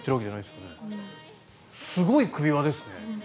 すごい首輪ですね。